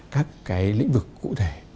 các lĩnh vực cụ thể